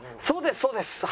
そうですそうです！